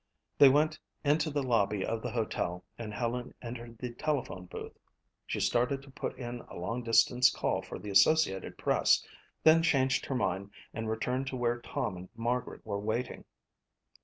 They went into the lobby of the hotel and Helen entered the telephone booth. She started to put in a long distance call for the Associated Press, then changed her mind and returned to where Tom and Margaret were waiting.